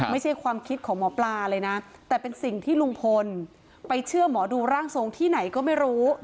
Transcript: ไม่ใช่ความคิดของหมอปลาเลยนะแต่เป็นสิ่งที่ลุงพลไปเชื่อหมอดูร่างทรงที่ไหนก็ไม่รู้